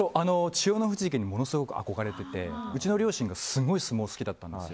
千代の富士関にものすごく憧れてうちの両親がすごい相撲好きだったんです。